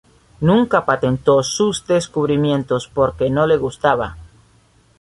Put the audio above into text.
Nunca patentó sus descubrimientos porque no le gustaba.